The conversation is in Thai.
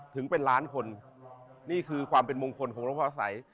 ถึงเป็นล้านคนนี่คือความเป็นมงคลของพระพระสัย